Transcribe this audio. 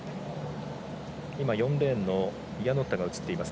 ４レーンのイアノッタが映っています。